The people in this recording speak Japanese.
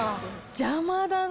邪魔だな。